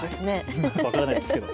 分からないですけど。